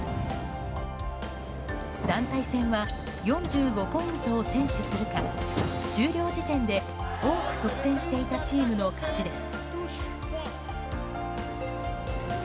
団体戦は４５ポイントを先取するか終了時点で多く得点していたチームの勝ちです。